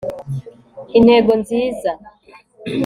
Intego nziza